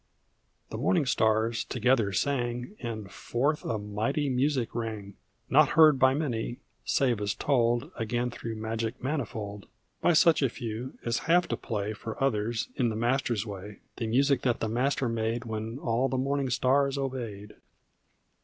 [1111 The morning stars together sang And forth a mighty music rang — Not heard by many, save as told Again through magic manifold. By such a few as have to play For others, in the Master's way, The music that the Master made When all the morning stars obeyed.